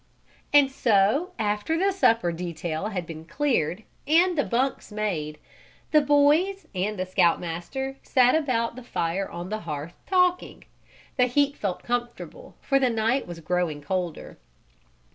And so, after the supper detail had been cleared, and the bunks made, the boys and the Scout Master sat about the fire on the hearth, talking. The heat felt comfortable, for the night was growing colder.